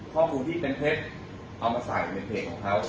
ข้อมูลที่เป็นเท็จเอามาใส่ในเพจของเขา